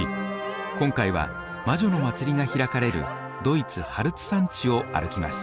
今回は魔女の祭りが開かれるドイツ・ハルツ山地を歩きます。